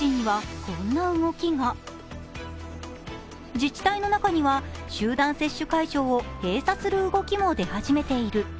自治体の中には集団接種会場を閉鎖する動きも出ている。